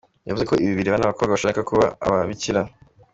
Yavuze ko ibi bireba n'abakobwa bashaka kuba ababikira.